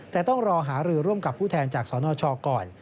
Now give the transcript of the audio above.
แต่ต้องรอหารือร่วมกับผู้แทนจากสนชก่อน